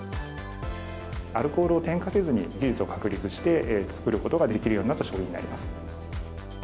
アルコールを添加せずに、技術を確立して、作ることができるようになった商品になります。